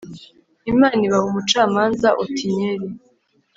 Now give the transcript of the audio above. imana ibaha umucamanza: otinyeli